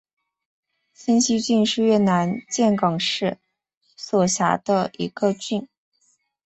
清溪郡是越南岘港市所辖的一个郡。